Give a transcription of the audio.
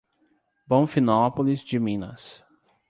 Bonfinópolis de Minas